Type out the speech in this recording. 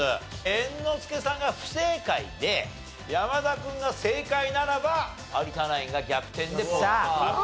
猿之助さんが不正解で山田君が正解ならば有田ナインが逆転でポイント獲得と。